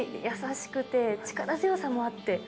優しくて、力強さもあって。